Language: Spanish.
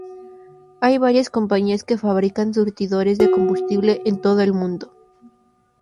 Hay varias compañías que fabrican surtidores de combustible en todo el mundo.